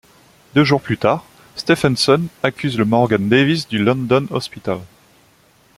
Deux jours plus tard, Stephenson accuse le Morgan Davies du London Hospital.